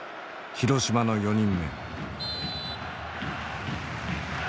広島の４人目。